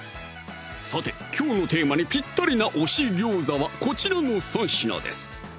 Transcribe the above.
さてきょうのテーマにぴったりな推し餃子はこちらの３品です